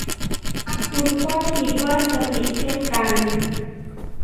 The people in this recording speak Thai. คุณก็คิดว่าเธอผิดเช่นกัน